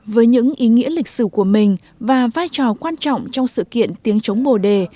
với những ý nghĩa lịch sử của mình và vai trò quan trọng trong sự kiện tiếng chống bồ đề